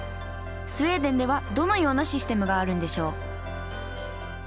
スウェーデンではどのようなシステムがあるんでしょう？